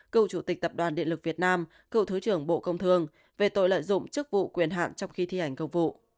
cựu chủ tịch tập đoàn điện lực việt nam cựu thứ trưởng bộ công thương về tội lợi dụng chức vụ quyền hạn trong khi thi hành công vụ